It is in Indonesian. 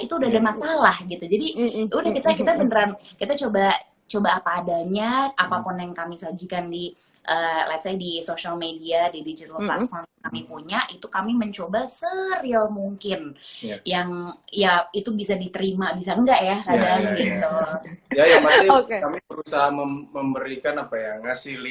udah ada porsi masing masing